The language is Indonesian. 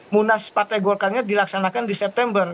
munas partai golkarnya dilaksanakan di september